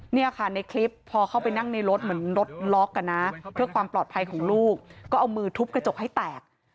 เนี่ยค่ะในคลิปพอเข้าไปนั่งในรถเหมือนรถล็อกอ่ะนะเพื่อความปลอดภัยของลูกก็เอามือทุบกระจกให้แตก